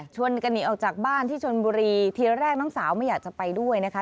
หนีออกจากบ้านที่ชนบุรีทีแรกน้องสาวไม่อยากจะไปด้วยนะคะ